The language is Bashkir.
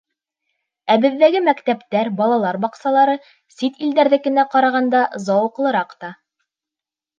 Ә беҙҙәге мәктәптәр, балалар баҡсалары сит илдәрҙекенә ҡарағанда зауыҡлыраҡ та.